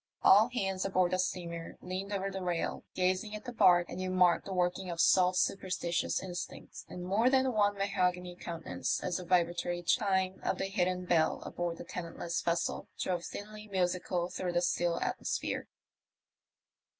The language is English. All hands aboard the steamer leaned over the rail gazing at the barque, and you marked the working of salt superstitious instincts in more than one mahogany countenance as the vibra tory chime of the hidden bell aboard the tenantless vessel drove thinly musical through the still atmosphere.